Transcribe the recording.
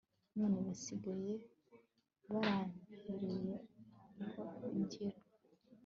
none basigaye barantereyeho imbyino